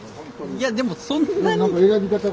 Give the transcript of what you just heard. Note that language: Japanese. いやでもそんなに。